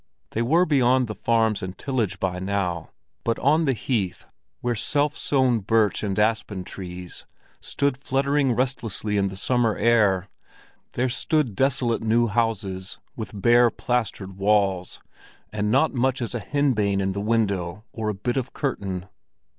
They were beyond the farms and tillage by now; but on the heath, where self sown birch and aspen trees stood fluttering restlessly in the summer air, there stood desolate new houses with bare, plastered walls, and not so much as a henbane in the window or a bit of curtain.